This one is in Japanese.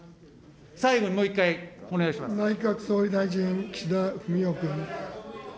最後にもう一回、内閣総理大臣、岸田文雄君。